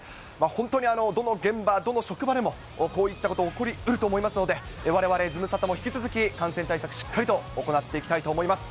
本当にどの現場、どの職場でも、こういったこと起こりうると思いますので、われわれ、ズムサタも引き続き、感染対策、しっかりと行っていきたいと思います。